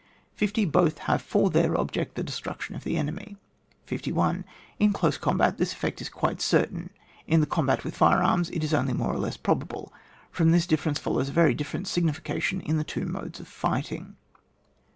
50. Both have for their object the des truction of the enemy. 51. In dose combat this effect is quite certain ; in the combat with fire arms it is only more or less probable. From this difference follows a very different signification in the two modes of fighting.